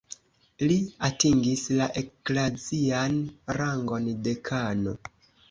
Li atingis la eklazian rangon dekano.